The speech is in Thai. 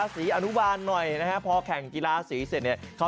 คุณดูสภาพคุณหนึ่ง